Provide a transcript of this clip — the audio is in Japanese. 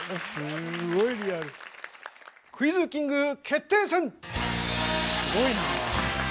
「クイズキング決定戦」！